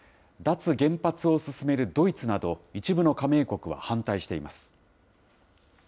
脱原発を進めるドイツなど、一部の加盟国は反対しています。